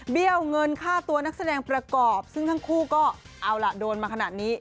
ี้ยวเงินค่าตัวนักแสดงประกอบซึ่งทั้งคู่ก็เอาล่ะโดนมาขนาดนี้